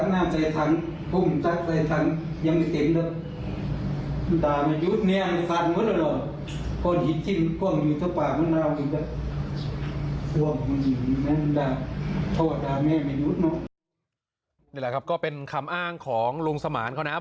นี่แหละครับก็เป็นคำอ้างของลุงสมานเขานะครับ